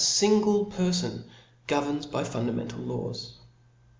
fingle perlon governs by fundamental laws.